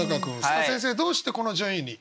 さあ先生どうしてこの順位に？